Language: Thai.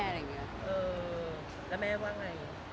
แล้วแม่ว่าไง